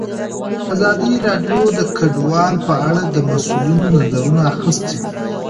ازادي راډیو د کډوال په اړه د مسؤلینو نظرونه اخیستي.